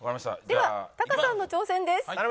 ではタカさんの挑戦です。